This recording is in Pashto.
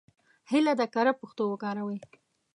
هیله ده کره پښتو وکاروئ.